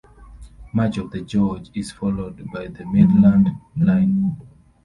Much of the gorge is followed by the Midland line.